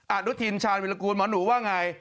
อนุทินชาญวิรากูลหมอหนูว่าไง